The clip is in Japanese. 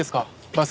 バス。